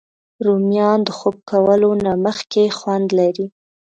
رومیان د خوب کولو نه مخکې خوند لري